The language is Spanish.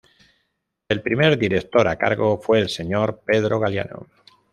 El primer director a cargo fue el señor Pedro Galiano.